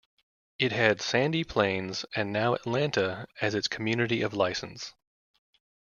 It had Sandy Plains and now Atlanta as its community of license.